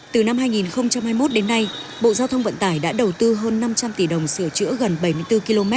từ năm hai nghìn hai mươi một đến nay bộ giao thông vận tải đã đầu tư hơn năm trăm linh tỷ đồng sửa chữa gần bảy mươi bốn km